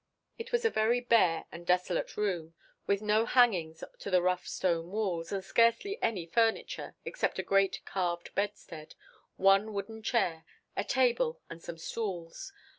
It was a very bare and desolate room, with no hangings to the rough stone walls, and scarcely any furniture, except a great carved bedstead, one wooden chair, a table, and some stools.